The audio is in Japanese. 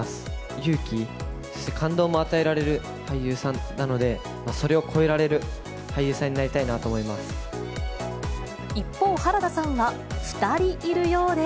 勇気、そして感動も与えられる俳優さんなので、それを超えられる一方、原田さんは２人いるようで。